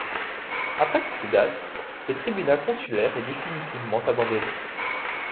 Après cette date, le tribunat consulaire est définitivement abandonné.